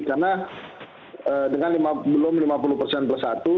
karena dengan belum lima puluh persen plus satu